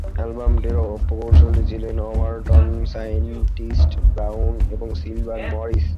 অ্যালবামটির প্রকৌশলী ছিলেন Overton "scientist" Brown এবং সিলভান মরিস।